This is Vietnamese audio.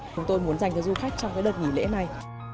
chúng tôi muốn dành cho du khách trong đợt nghỉ lễ này